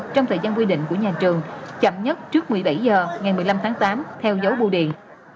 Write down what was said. trong thời gian quy định của nhà trường chậm nhất trước một mươi bảy h ngày một mươi năm tháng tám theo dấu bù điện